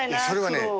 それはね